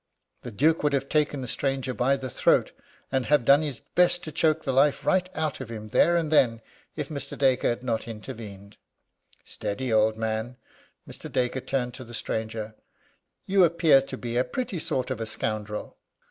The Duke would have taken the stranger by the throat, and have done his best to choke the life right out of him then and there, if Mr. Dacre had not intervened. "Steady, old man!" Mr. Dacre turned to the stranger: "You appear to be a pretty sort of a scoundrel."